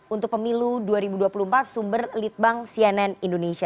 untuk pemilu dua ribu dua puluh empat sumber litbang cnn indonesia